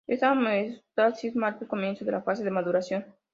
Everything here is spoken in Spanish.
Esta homeostasis marca el comienzo de la fase de maduración.